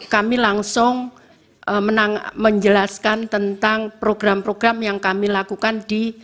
kami langsung menjelaskan tentang program program yang kami lakukan di